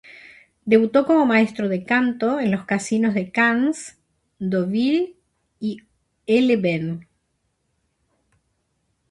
Debutó como maestro de canto en los casinos de Cannes, Deauville y Aix-les-Bains.